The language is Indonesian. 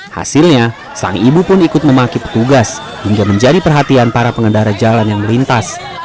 hasilnya sang ibu pun ikut memaki petugas hingga menjadi perhatian para pengendara jalan yang melintas